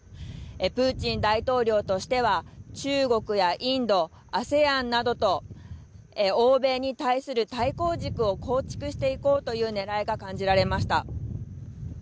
プーチン大統領としては中国やインド、ＡＳＥＡＮなどと欧米に対する対抗軸を構築していこうというねらいが感じられました。